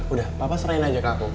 udah papa seren aja ke aku